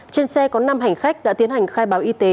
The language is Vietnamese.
trên xe có năm hành khách đã tiến hành khai báo y tế